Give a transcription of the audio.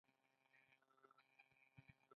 ایا زما پښتورګي روغ دي؟